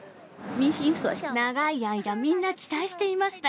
長い間、みんな期待していました。